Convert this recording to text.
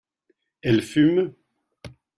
elle fume.